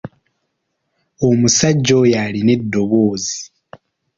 Omusajja oyo alina eddoboozi.